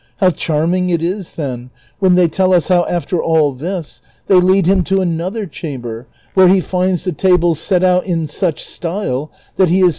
How charming it is, then, Avhen tliey tell us hoAv, after all this, they lead him to another cham ber Avliere he finds the tables set out in such style that he is CHAPTER L.